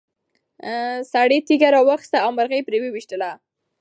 سړي تیږه راواخیسته او مرغۍ یې پرې وویشتله.